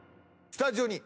スタジオに？